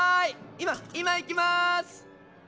今今行きます！